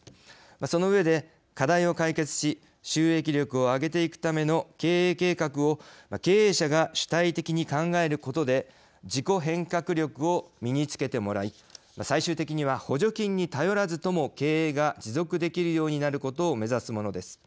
その上で課題を解決し収益力を上げていくための経営計画を経営者が主体的に考えることで自己変革力を身につけてもらい最終的には補助金に頼らずとも経営が持続できるようになることを目指すものです。